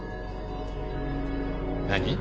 何？